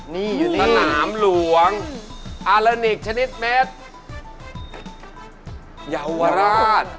และแผ่นสุดท้ายครับ